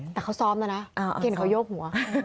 แต่เขาซ้อมนะนะเขาโยกหัว